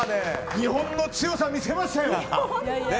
日本の強さ見せましたよ。